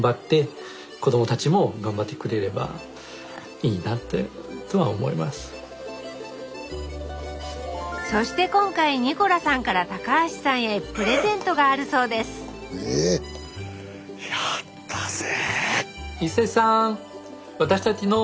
一生さんそれをね聞いてそして今回ニコラさんから高橋さんへプレゼントがあるそうですやったぜ！